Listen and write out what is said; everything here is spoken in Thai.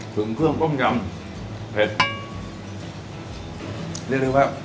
ถึงเครื่องต้มยำเผ็ด